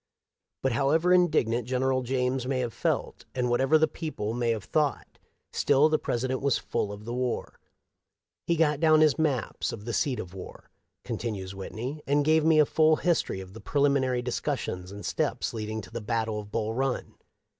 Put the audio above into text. But, however indignant General James may have felt, and whatever the people may have thought, still the President was full of the war. He got down his maps of the seat of war," con tinues Whitney, " and gave me a full history of the preliminary discussions and steps leading to the battle of Bull Run.